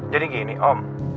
jadi gini om